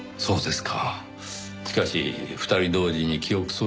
そうですか。